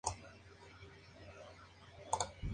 Eso es un largo y duro trabajo.